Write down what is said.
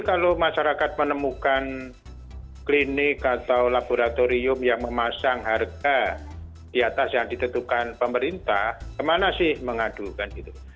kalau masyarakat menemukan klinik atau laboratorium yang memasang harga di atas yang ditentukan pemerintah kemana sih mengadukan itu